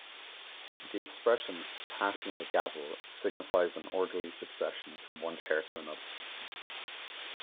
The expression "passing the gavel" signifies an orderly succession from one chair to another.